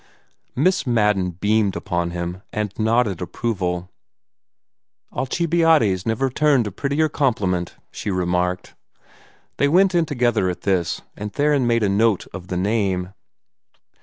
Miss Madden beamed upon him, and nodded approval. "Alcibiades never turned a prettier compliment," she remarked. They went in together at this, and Theron made a note of the name.